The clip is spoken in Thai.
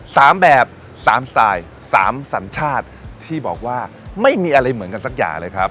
แบบสามสไตล์สามสัญชาติที่บอกว่าไม่มีอะไรเหมือนกันสักอย่างเลยครับ